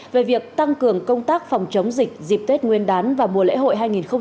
về việc tăng cường công tác phòng chống dịch dịp tết nguyên đán và mùa lễ hội hai nghìn hai mươi bốn